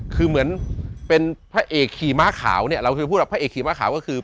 คือเหมือนเป็นพระเอกขี่ม้าขาวเนี่ยเราคือพูดแบบพระเอกขี่ม้าขาวก็คือ